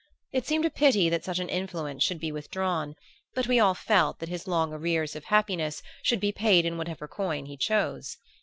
It seemed a pity that such an influence should be withdrawn, but we all felt that his long arrears of happiness should be paid in whatever coin he chose.